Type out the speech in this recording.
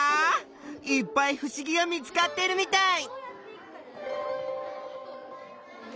いっぱいふしぎが見つかってるみたい！